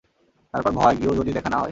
তারপর ভয়, গিয়েও যদি দেখা না হয়।